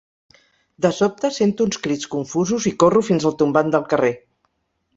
De sobte sento uns crits confusos i corro fins al tombant del carrer.